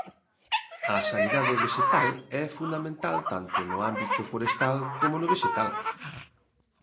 A sanidade vexetal é fundamental tanto no ámbito forestal como no vexetal.